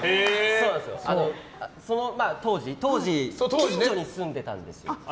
当時、近所に住んでたんです。